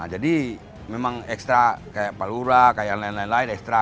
jadi memang ekstra kayak palura kayak yang lain lain lain ekstra